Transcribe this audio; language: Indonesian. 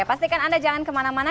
pastikan anda jangan kemana mana